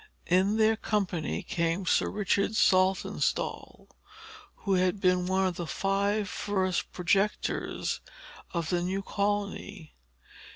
In their company came Sir Richard Saltonstall, who had been one of the five first projectors of the new colony.